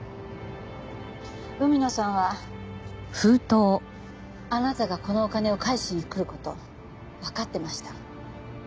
海野さんはあなたがこのお金を返しに来る事わかってました。